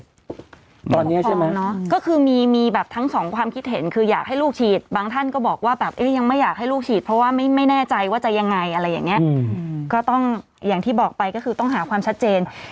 ปกครองเนอะก็คือมีแบบทั้งสองความคิดเห็นคืออยากให้ลูกฉีดบางท่านก็บอกว่าแบบเอ๊ะยังไม่อยากให้ลูกฉีดเพราะว่าไม่แน่ใจว่าจะยังไงอะไรอย่างนี้ก็ต้องอย่างที่บอกไปก็คือต้องหาความชัดเจน